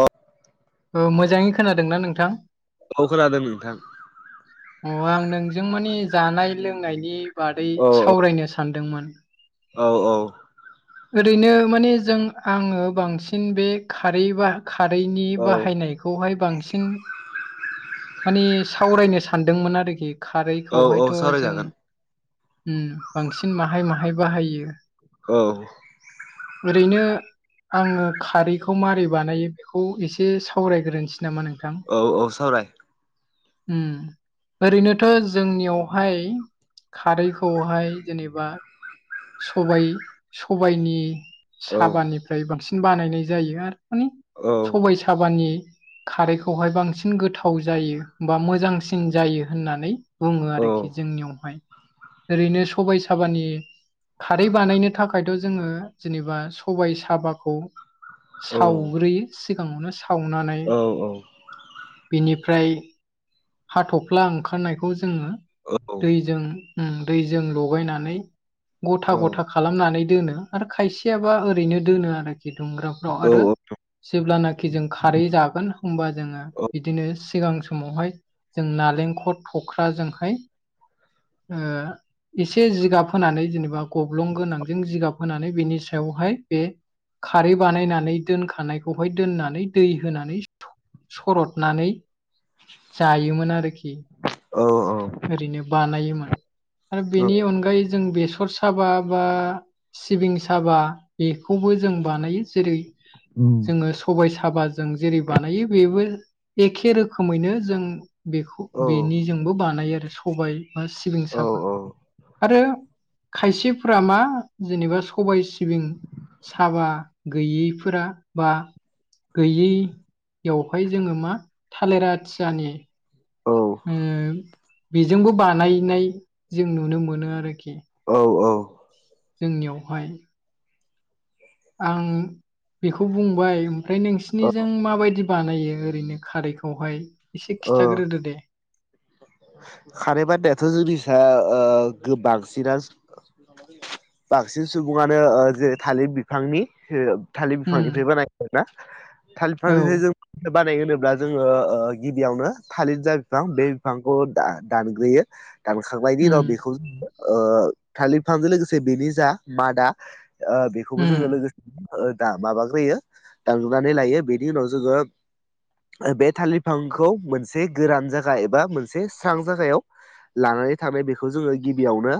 अ मोजाङै खोनादोंना नोंथां औ खोनादों नोंथां अ आं नोंजों मानिे जानाय लोंनायनि बादै औ सावरायनो सान सान्दोंमोन औ औ ओरैनो माने जों आङो बांसिन बे खारै ब खारैनि औ बाहायनायखौ बेखौहाय बांसिन माने सावरायनो सानदोंमोन आरोखि औ औ खारैखौहायथ' जों सावरायजागोन बांसिन माहाय माहाय बाहायो औ ओरैनो आङो खारैखौ मारै बानायो बेखौ एसे सावरायग्रोसै नामा नोंथां औ औ सावराय ओरैनोथ' जोंनियावहाय खारैखौहाय जेनेबा सबायाइ सबायाइनि औ साबानिफ्राय बांसिन बानायनाय जायो आरो माने औ सबायाइ साबानि खारैखौहाय बांसिन गोथाव जायो बा मोजांसिन जायो होननानै बुङो औ आरोखि जोंनियावहाय ओरैनो सबाय साबानि खारै बानायनो थाखायथ' जोङो जेनेबा सबाय साबाखौ औ सावग्रोयो सिगाङावनो सावनानै बिनिफ्राय हाथ'फ्ला ओंखारनायखौ जोङो दैजों दैजों लगायनानै गथा गथा खालामनानै दोनो आरो खायसेयाबा ओरैनो दोनो आरोखि दुंग्राफ्राव औ औ आरो जेब्लानाखि जों खारै जागोन होमबा जोङो बिदिनो सिगां समावहाय जों नालेंखर थख्राजोंहाय एसे जिगाब फोनानै जेनेबा बा गब्लं गोनांजों जिगाब होनानै बेनि सायावहाय बे खारै बानायनानै दोनखानायखौहाय दोननानै दै होनानै सरदनानै जायोमोन आरोखि औ ओरैनो बानायोमोन आरो बेनि अनगायै जों बेसर साबा बा सिबिं साबा बेखौबो जों बानायो जेरै जोङो सबाय साबाजों जेरै बानायो बेबो एखे रोखोम रोखोमैनो जों बेखौ बेनिजोंबो बानायो आरो सबाय बा सिबिं साबा आरो खायसेफोरा मा जेनेबा सबाय सिबिं साबा गैयैफोरा बा गैयैयावहाय जोङो मा आलिराथियानि बेजोंबो बानायनाय जों नुनो मोनो आरोखि औ औ जोंनियावहाय आं बेखौ बुंबाय ओमफ्राय नोंसिनिजों माबायदि बानायो ओरैनो खारैखौहाय एसे खिथाग्रोदो दे खार बान्ायाथ' जोंनिसा बांसिन बांसिन सुबुङानो ज थालिर बिफांनि थालिर उम बिफांनिफ्राय बानाय आर ना थालिर औ बिफांनिफ्राय जों बानाय होनोब्ला जोङो गिबियावनो थालिर जा बिफां बे बिफांखौ द दानग्रोयो दानखांनायनि उनाव उम बेखौ जोङो थालिर फांजों लोगोसे बेनि जा मादा बेखौबो उम जोङो लोगोसे दा माबाग्रोयो दानगुनानै लायो बेनि उनाव जोङो बे थालफांखौ मोनसे गोरान जायागा एबा मोनसे स्रां जागायाव लानानै थानाय बेखौ जोङो गिबियावनो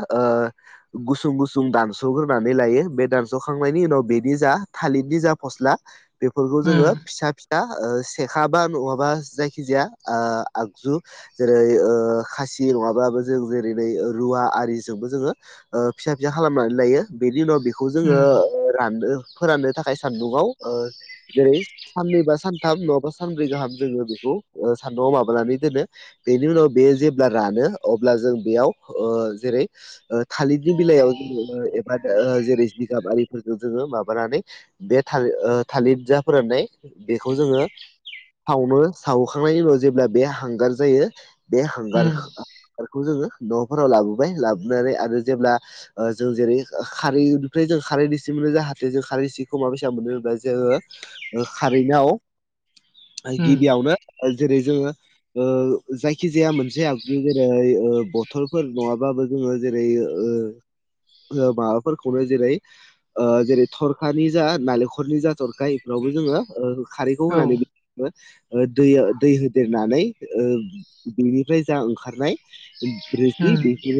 गुसुं गुसुं दानस'ग्रोनानै लायो बे दानस'खांनायनि उनाव बेनि जा थालिरनि जा फस्ला बेफोरखौ जोङो उम फिसा फि दा सेखाबा नहाबा जायखि जाया आगजु जेरै खासि नङाब्लाबो जों जेरै नै रुवा आरिजोंबो जोङो फिसा फिसा खालामनानै लायो बेनि उनाव बेखौ जोङो उम रानो फोराननो थाखाय सानदुङाव जेरै साननैबा सानथाम नङाबा सानब्रै गाहाम जोङो बेखौ सानदुंआव माबानानै दोनो बेनि उनाव बेयो जेब्ला रानो अब्ला जों बेयाव जेरै थालिरनि बिलायाव जोङो एबा जेरै जिगाब आरिफोरजों जोङो माबानानै बे थालिर थालिर जा फोरनाय बेखौ जोङो सावनो सावखांनायनि उनाव जेब्ला बे हांगार जायो बे हांगार उम खौ जोङो न'फोराव लाबोबाय लाबोनानै आरो जेब्ला जों जेरै खारैनिफ्राय जों खारै इसे मोनो जाहाथे जों खारैसे खमा फैसा मोनो होना जोङो खारैनायाव उम गिबियावनो जेरै जोङो जायख खिजाया मोनसे आगु जेरै बथलफोर नङाबाबो जोङो जेरै माबाफोरखौनो जेरै जेरै थरखानि जा नालेंखलनि जा थरख बेावबो जोङो खारैखौ औ होनानै दैयाव दै होदेरनानै बेनिफ्राय जा ओंखारनाय उम रोसि बेखौ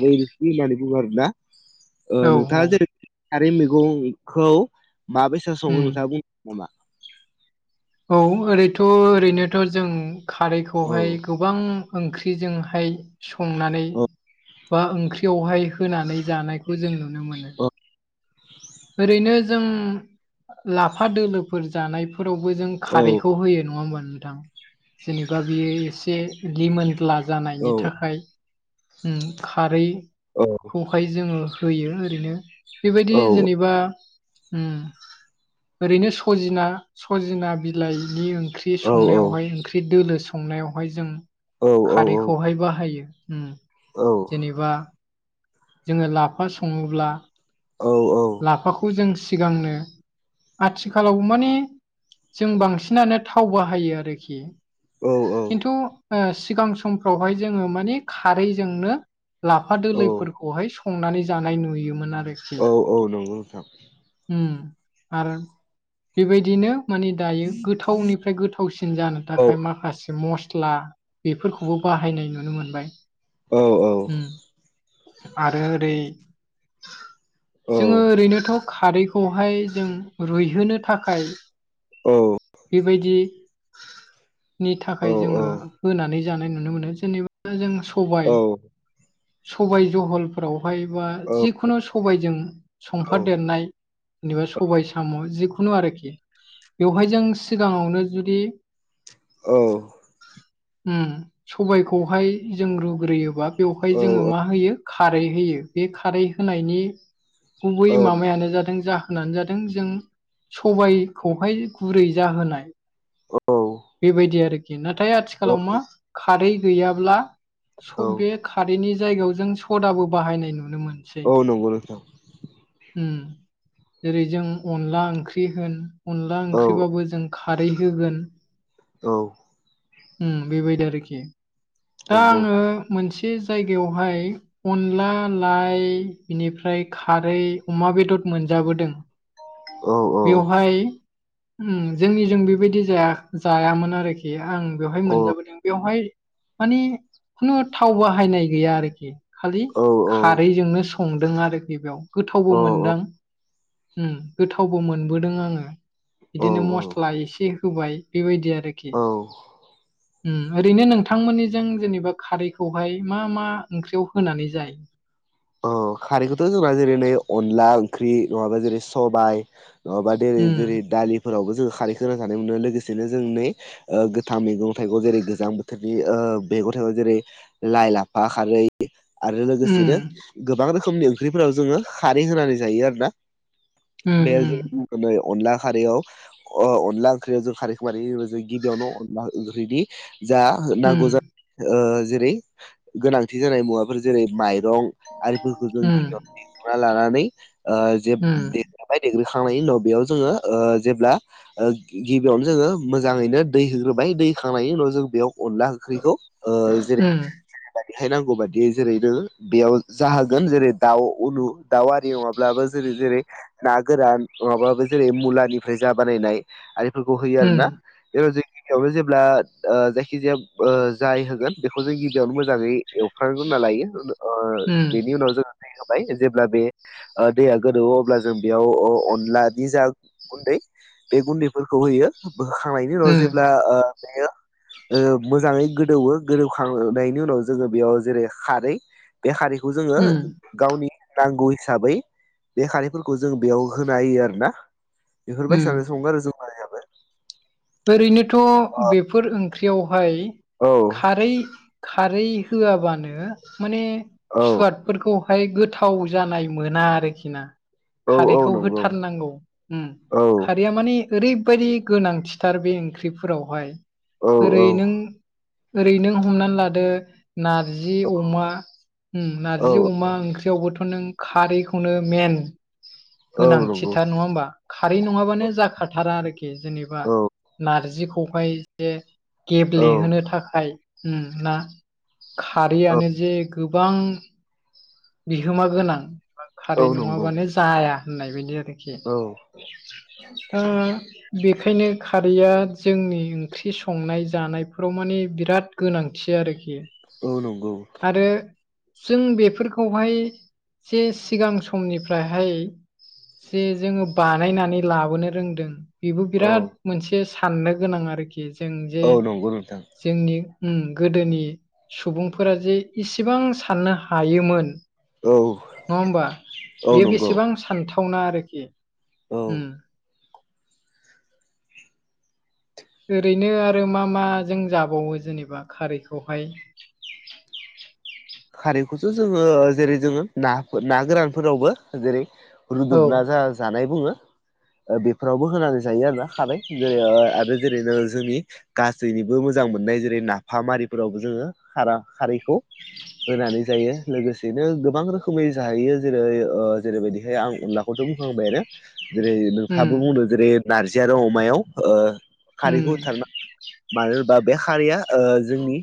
आरोदिस होननानै बुङो आरोना औ नोंथाङा जेरै खारै मैगंखौ मा बेसे सङो उम नोंथाङा बुं नामा औ ओरैथ' ओरैनोथ' जों औ खारैखौहाय गोबां ओंख्रिजोंहाय संनानै औ बा ओंख्रियावहाय होनानै जानायखौ जों नुनो मोनो ब ओरैनो जों लाफा दोलोफोर जानायफोरावबो जों औ ख ह नोंथां जेबा बि जानायनि थाखाय औ औ खारैखौहाय जोङो होयो ओरैनो औ बेबायदि जब बा ओरैनो सजिना सजिना बिलाइनि ओंख्रि ओंख्रि संनायावहाय ओंख्रि दोलो संनायावहाय जों खारै खौहाय बाहायो औ जेनेबा जोङो लाफा सङोब्ला लाफाखौ जों सिगांनो आथिखालाव माने जों बांसिनानो थाव बाहायो आरोखि औ खिन्थु सिगां समफ्रावहाय जोङो माने खारैजोंनो लाफा औ दोलोोलैफोरखौहाय संनानै जानाय नुयोमोन आरो औ औ नंगौ नोंथां आरो बेबायदिनो मानिे दायो गोथावनिफ्राय गोथावसिन जानो औ थाखाय माखासे मस्त फस्ला बेफोरखौबो बाहायनाय नुनो मोनबाय औ औ आरो ओरै औ जोङो ओरैनोथ' खारैखौहाय जों रुइहोनो थाखाय औ बेबायदि नि औ थाखाय जोङो होनानै जानाय नुनो मोनो जेनेबा जों सबाय सबाय जहलफोरावहाय बा जिखुनु सबायजों संफादेरनाय जेनेबा सबाय साम' जिखुनु आरोखि बेवहाय जों सिगाङावनो जुदि औ उ सबायखौहाय जों रुग्रोयोबा बेवहाय जोङो औ औ मा होयो खारै होयो बे खारै होनायनि गुबै माबायानो जादों जा होनानो जादों जों सबायखौहाय गुरै जाहोनाय औ बेबायदि आरोखि नाथाय आथिखालाव मा खारै गैयाब्ला सब बे खारैनि जायगायाव जों सदाबो बाहायनाय नुनो मोनो औ नंगौ नोंथां उम जेरै जों अनला ओंख्रि होन अनला औ ओंख्रिबाबो जों खारै होगोन औ उम बेबायदि आरोखि दा आङो मोनसे जायगायावहाय अनला लाइ बेनिफ्राय खारै अमा बेदर मोनजाबोदों औ औ बेवहाय उम जोंनिजों बेबायदि जाया जायामोन आरोखि आं बेवहाय औ मोनजाबोदों बेवहाय माने खुनु थाव बाहायनाय गैया आरोखि खालि औ खारैजोंनो संदों आरोखि बेयाव गोथावबो मोनदों गोथावबो मोनबोदों आङो औ बिदिनो मस्ला एसे होबाय बेबायदि आरोखि औ उम ओरैनो नोंथांमोननिजों जेनेबा खारैखौहाय मा मा ओंख्रियाव होनानै जायो अ खारैखौथ' जोंना जेरै नै अनला ओंख्रि नंङाबा जेरै सबाय नंङाबा जेरै उम जेरै दालिफोरावबो जोङो खारै खोना थानायानो मोनो लोगोसेनो जों नै गोथां मैगं थाइगं जेरै गोजां बोथोरनि मैगं थाइगं जेरै लाइ लाफा खारै आरो उम लोगोसेनो गोबां रोखोमनि ओंख्रिफोराव जोङो खारै होनानै जायो आरोना बे उम [unintelligible] नै अनला खारैयाव अ अनला ओंख्रियाव जों खारैखौ मा जों गिबियावनो अनला ओंख्रिनि जा नांगौ उम जायो ओ जेरै गोनांथि जानाय मुवाफोर जेरै माइरं आरिफोरखौ जों उम गिबियाव दैखना लानानै ओ जे उम य देग्रोखांनायनि उनाव बेयाव जोङो ओ जेब्ला ओ गिबियावनो जोङो मोजाङैनो दै होग्रोबाय दै होखांनायनि उनाव जों बेयाव अनला ओख्रिखौ ओ जेरै उम जब बेहाय नांगौ बादियै जेरैनो बेयाव जाहोगोन जेरै दाउ उनु दाउ आरि नंङाब्लाबो जेरै जेरै ना गोरान माबाबो जेरै मुलानिफ्राय जा बानायनाय आरिफोरखौ होयो आरो उम ना ए जि गिबियावनो जेब्ला ओ जायखिजाया ओ जाय होगोन बेखौ जों गिबियावनो मोजाङै एवफ्राम होनना लायो ओ उम बेनि उनाव जोङो दैै होबाय जेब्ला बे ओ दैया गोदौवओ अब्ला जों बेयाव अ अनलानि जा गुन्दै बे गुन्दैफोरखौ होयो होखांनायनि उनाव उम जेब्ला ओ बेयो ओ मोजाङै गोदौवो गोदौखांनायनि उनाव जोङो बेयाव जेरै खारै बे खारैखौ जोङो उम गावनि नांगौ हिसाबै बे खारफोरखौ जों बेयाव होना होयो आरो ना उम बेफोरबायसानो संङो आरो जों मानियाबो ओरैनोथ' बेफोर ओंख्रियावहाय औ खारै खारै होआबानो माने सुवाद फोरखौहाय गोथाव जानाय मोना आरोखि ना औ औ खारैखौ नंगौ होथारनांगौ औ खारैया माने ओरैबायदि गोनांथिथार बे ओंख्रिफोरावहाय औ ओरै औ नों ओरै नों हमनानै लादो नारजि अमा उम औ नारजि अमा ओं थेवबोथ नों खारैखौनो मेन औ नंगौ गोनांथिथार नङा होमबा? खारै नङाबानो जाखाथारा आरोखि जेनेबा औ नारजिखौहाय जे औ गेब्लेहोनो थाखाय उम ना औ खारिैयानो जे गोबां बिहोमा गोनांा औ खारै नंगौ नङाबानो जाया होननाय बायदि आरो औ एखे [unintelligible] बेखायनो खारैया जोंनि ओंख्रि संनाय जानायफोराव माने बिराद गोनांथि आरोखि औ नंगौ आरो जों बेफोरखौहाय जे सिगां समनिफ्रायहाय जे जोङो बानायनानै लाबोनो रोंदों बेबो औ बिराद मोनसे साननो गोनां आरोखि जों जे औ नंगौ नोंथां जोंनि उम गोदोनि सुबुंफोरा जे इसिबां साननो हायोमोन औ नङा होमबा औ बेयो नंगौ बेसेबां सानथावना आरोखि औ ओरैनो आरो मा माजों जाबावो जेनेबा खारैखौहाय खारैखौथ जोङो जेरै जोङो ना ना गोरानफोरावबो जेरै औ रुदबना जा जानाय बुङो ओ बेफोरावबो होनानै जायो आरो ना हानाय जेरै आरो जेरैनो जोंनि गासैनिबो मोजां मोननाय जेरै नाफामारिफोरावबो जोङो खारा खारैखौ होनानै जायो लोगोसेनो गोबां रोखोमै जाहैयो जेरै ओ जेरैबायदिहाय आं अनला खौथ बुंखांबायानो जेरै उम नोंथाङाबो बुंदों जेरै नारजि आरो अमायाव ओ उम खारैखौ होथारना मानो होनबा बे खारिया ओ जोंनि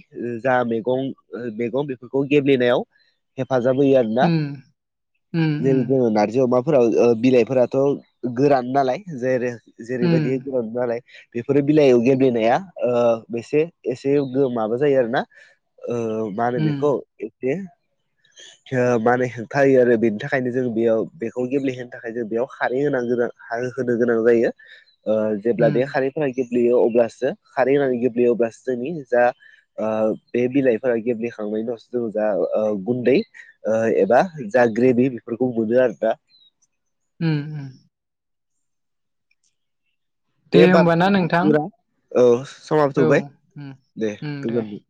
जा मैगं मैगं बे फोरखौ गेब्लेनायाव हेफाजाब होयो आरोना उम उम जों उम जोङो नार्जि अमाफोराव बिलाइफोराथ गोरान नालाय जेरै उम जेरैबायदि बि नालाय बेफोरो बिलाइयाव गेब्लेनाया ओ बेसे एसे माबा जायो आरोना ओ माहोनो उम बेखौ एसे [inaudible] ओ माहोनो हेंथा होयो आरो बेनि थाखायनो जों बेयाव बेखौ गेब्लेहोनो थाखाय जों बेयाव खारै होनांगोन आ होनो गोनां जायो जेब्ला उम बे खारै गेब्लेयो अब्लासो खारै होनानै गेब्लेयो अब्लासो जोंनि जा ओ बेे बिलाइफोरा गेब्ले खांनायनि उनावसो जों जा गुन्दै एबा जा ग्रेभि बेफोरखौ मोनो आरो ना उम उम दे होमबा नोंथां जुरा औ समाबो औ सौबाय उम दे गोजोनथों